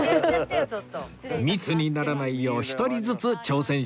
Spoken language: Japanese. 密にならないよう１人ずつ挑戦します